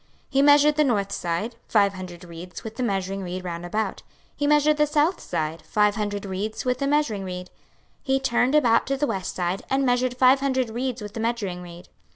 26:042:017 He measured the north side, five hundred reeds, with the measuring reed round about. 26:042:018 He measured the south side, five hundred reeds, with the measuring reed. 26:042:019 He turned about to the west side, and measured five hundred reeds with the measuring reed.